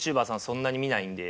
そんなに見ないんで。